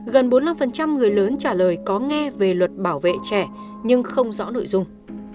gần bốn mươi năm người lớn trả lời có nghe về luật bảo vệ trẻ nhưng không rõ nội dung